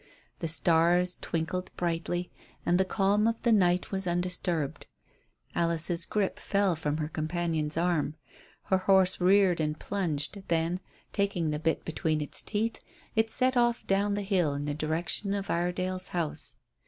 The stars twinkled brightly, and the calm of the night was undisturbed. Alice's grip fell from her companion's arm. Her horse reared and plunged, then, taking the bit between its teeth, it set off down the hill in the direction of Iredale's house.